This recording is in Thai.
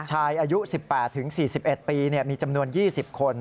ชายอายุ๑๘ถึง๔๑ปีมีจำนวน๒๐คน